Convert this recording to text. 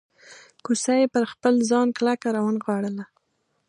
کوسۍ یې پر خپل ځان کلکه راونغاړله.